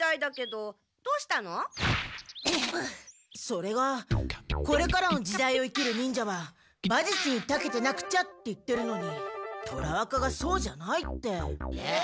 それがこれからの時代を生きる忍者は馬術にたけてなくちゃって言ってるのに虎若がそうじゃないって。えっ？